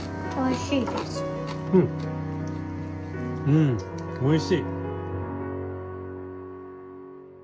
うんおいしい。